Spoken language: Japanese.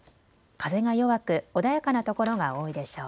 風が弱く穏やかなところが多いでしょう。